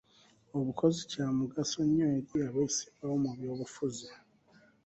Obukozi Kya mugaso nnyo eri abesimbawo mu by'obufuzi.